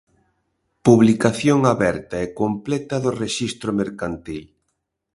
Publicación aberta e completa do rexistro mercantil.